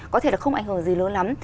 có thể là không ảnh hưởng gì lớn lắm